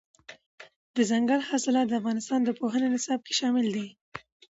دځنګل حاصلات د افغانستان د پوهنې نصاب کې شامل دي.